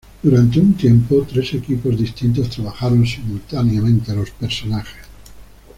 Durante un tiempo, tres equipos distintos trabajaron simultáneamente los personajes.